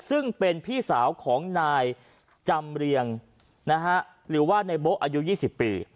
ซึ่งเป็นพี่สาวของนายจำเรียงหรือว่าในโบ๊ะอายุ๒๐ปี